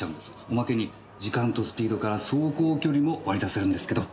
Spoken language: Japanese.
おまけに時間とスピードから走行距離も割り出せるんですけど。